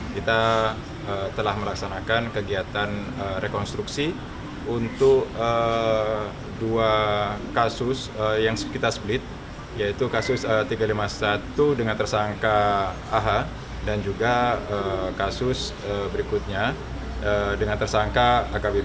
kita telah melaksanakan kegiatan rekonstruksi untuk dua kasus yang kita sblit yaitu kasus tiga ratus lima puluh satu dengan tersangka aha dan juga kasus berikutnya dengan tersangka akb